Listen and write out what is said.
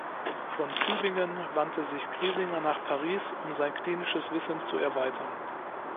Von Tübingen wandte sich Griesinger nach Paris, um sein klinisches Wissen zu erweitern.